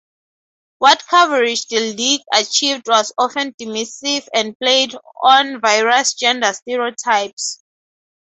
What coverage the league achieved was often dismissive and played on various gender stereotypes.